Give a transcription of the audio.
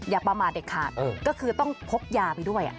อย่าประมาทเด็ดขาดก็คือต้องพกยาไปด้วย